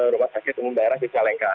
rumah sakit umum daerah cicalengka